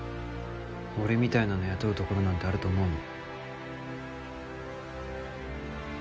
俺みたいなの雇うところなんてあると思うの？